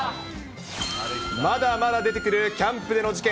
まだまだ出てくるキャンプでの事件。